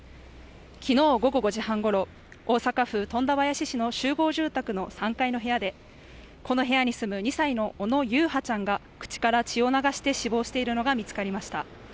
昨日午後５時半ごろ大阪府富田林市の集合住宅の３階の部屋でこの部屋に住む２歳の小野優陽ちゃんが口から血を流して死亡しているのが見つかりました